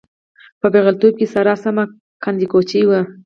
په پېغلتوب کې ساره سمه قند چکۍ وه.